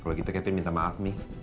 kalau gitu kevin minta maaf mi